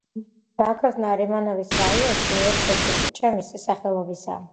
ბაქოს ნარიმანოვის რაიონში ერთ-ერთი ქუჩა მისი სახელობისაა.